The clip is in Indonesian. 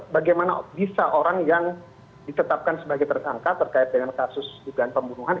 bagaimana bisa orang yang ditetapkan sebagai tersangka terkait dengan kasus dugaan pembunuhan